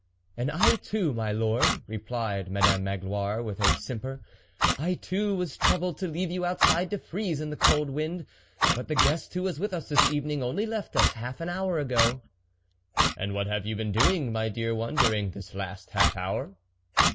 " And I too, my lord," replied Madame Magloire with a simper, " I too was troubled to leave you outside to freeze in the cold wind, but the guest who was with us this evening only left us half an hour ago." " And what have you been doing, my dear one, during this last half hour